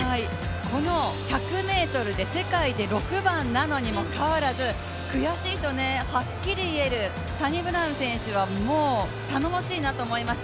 この１００ｍで世界で６番なのにもかかわらず、悔しいと言えるサニブラウン選手はもう頼もしいなと思いました。